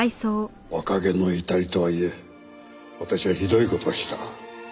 若気の至りとはいえ私はひどい事をした。